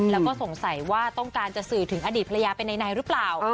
แล้วก็สงสัยว่าต้องการจะสื่อถึงอาอิทธิ์ภรรยาไปในรึเปล่า